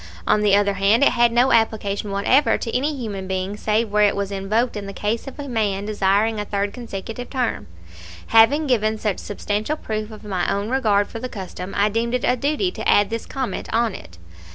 On the other hand, it had no application whatever to any human being save where it was invoked in the case of a man desiring a third consecutive term. Having given such substantial proof of my own regard for the custom, I deem it a duty to add this comment on it.